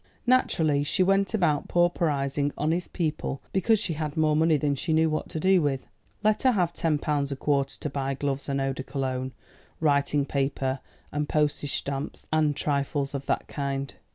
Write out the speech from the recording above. "Naturally. She went about pauperising honest people because she had more money than she knew what to do with. Let her have ten pounds a quarter to buy gloves and eau de cologne, writing paper, and postage stamps, and trifles of that kind.